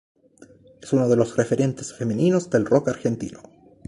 Es uno de los referentes femeninos del rock argentino.